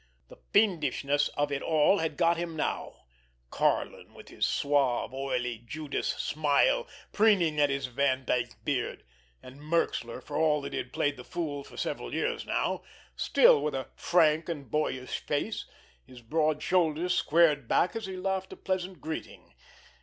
The fiendishness of it all had got him now— Karlin with his suave, oily, Judas smile, preening at his Vandyke beard—and Merxler, for all that he had played the fool for several years now, still with a frank and boyish face, his broad shoulders squared back as he laughed a pleasant greeting.